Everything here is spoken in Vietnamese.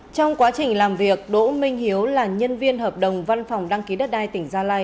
trong quá trình làm việc đỗ minh hiếu là nhân viên hợp đồng văn phòng đăng ký đất đai tỉnh gia lai